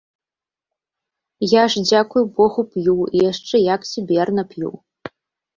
Я ж, дзякуй богу, п'ю, і яшчэ як сіберна п'ю!